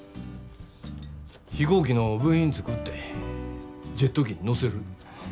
飛行機の部品作ってジェット機に載せる。